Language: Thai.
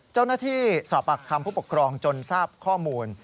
เจ้าหน้าที่สอบปากคำผู้ปกครองจนทราบข้อมูล